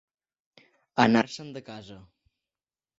Anar-se'n de casa.